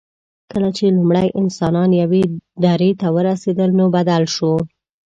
کله چې لومړي انسانان یوې درې ته ورسېدل، نو بدل شو.